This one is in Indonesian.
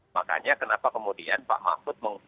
makanya kenapa kemudian pak mahfud